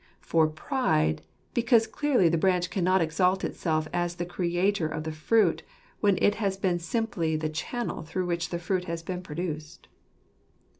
For pride : because clearly the branch cannot exalt itself as the creator of the fruit, when it has been simply the channel through which the fruit has been produced.